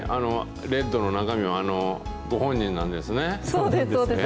レッドの中身は、あのご本人なんですね。